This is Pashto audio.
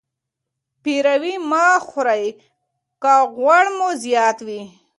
پیروي مه خورئ که غوړ مو زیات وي.